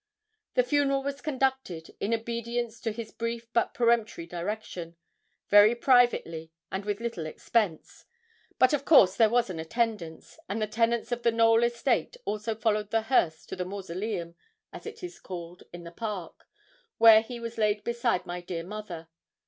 The funeral was conducted, in obedience to his brief but peremptory direction, very privately and with little expense. But of course there was an attendance, and the tenants of the Knowl estate also followed the hearse to the mausoleum, as it is called, in the park, where he was laid beside my dear mother.